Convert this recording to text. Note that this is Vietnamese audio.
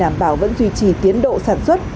đảm bảo vẫn duy trì tiến độ sản xuất